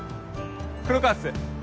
黒川っす。